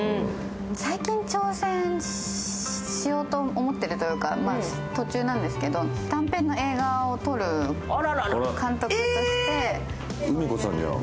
最近挑戦しようと思ってるというか、途中なんですけど、短編の映画を撮る監督として。